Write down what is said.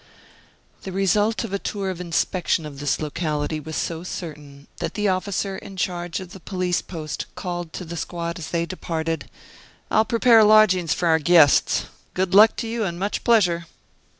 The result of a tour of inspection of this locality was so certain, that the officer in charge of the police post called to the squad as they departed: "I will prepare lodgings for our guests. Good luck to you and much pleasure!"